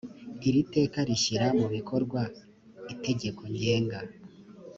iri teka rishyira mu bikorwa itegeko ngenga